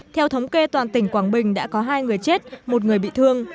theo thống kê toàn tỉnh quảng bình đã có hai người chết một người bị thương